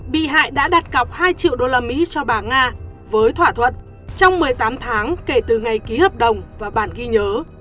bị hại đã đặt cọc hai triệu usd cho bà nga với thỏa thuận trong một mươi tám tháng kể từ ngày ký hợp đồng và bản ghi nhớ